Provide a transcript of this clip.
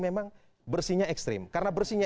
memang bersihnya ekstrim karena bersihnya